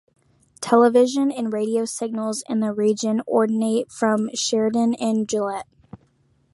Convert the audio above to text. Television and radio signals in the region originate from Sheridan and Gillette.